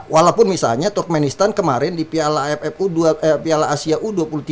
walaupun misalnya turkmenistan kemarin di piala asia u dua puluh tiga